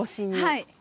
はい。